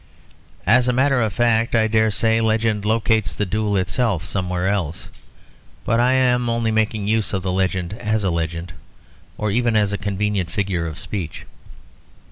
As a matter of fact, I dare say, legend locates the duel itself somewhere else, but I am only making use of the legend as a legend, or even as a convenient figure of speech.